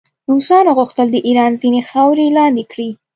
روسانو غوښتل د ایران ځینې خاورې لاندې کړي.